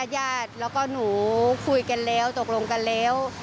ญาติแล้วก็หนูคุยกันแล้วตกลงกันแล้ว